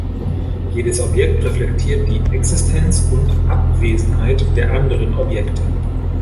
Jedes Objekt reflektiert die Existenz und Abwesenheit der anderen Objekte.